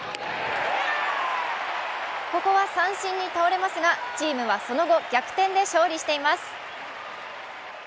ここは三振に倒れますがチームはその後、逆転で勝利しています。